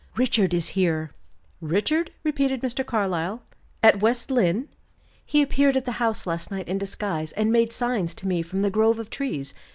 "Richard is here!" "Richard!" repeated Mr. Carlyle. "At West Lynne!" "He appeared at the house last night in disguise, and made signs to me from the grove of trees.